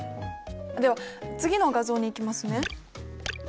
では次の画像にいきますね。